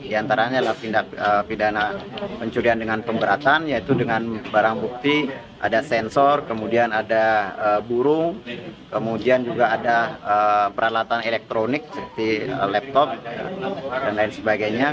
di antaranya adalah tindak pidana pencurian dengan pemberatan yaitu dengan barang bukti ada sensor kemudian ada burung kemudian juga ada peralatan elektronik seperti laptop dan lain sebagainya